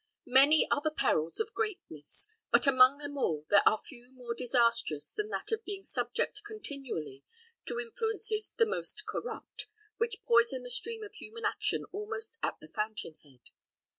Many are the perils of greatness, but among them all, there are few more disastrous than that of being subject continually to influences the most corrupt, which poison the stream of human action almost at the fountain head.